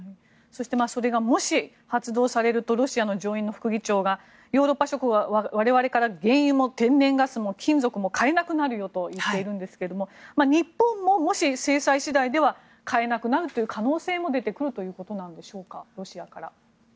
そして、それがもし発動されるとロシア上院の副議長はヨーロッパ諸国は我々から原油も天然ガスも金属も買えなくなるよと言っているんですが日本も制裁次第では買えなくなるという可能性も出てくるということでしょうか。